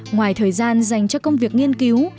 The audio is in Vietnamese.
ngoài thời gian dành cho công việc nghiên cứu